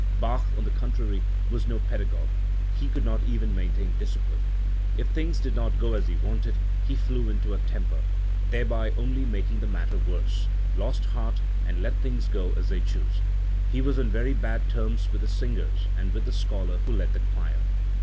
Bach, on the contrary, was no pedagogue; he could not even maintain discipline. If things did not go as he wanted, he flew into a temper, thereby only making the matter worse lost heart, and let things go as they chose. He was on very bad terms with the singers, and with the scholar who led the choir.